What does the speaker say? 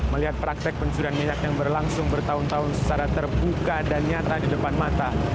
melihat praktek pencurian minyak yang berlangsung bertahun tahun secara terbuka dan nyata di depan mata